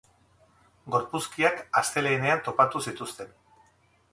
Gorpuzkiak astelehenean topatu zituzten.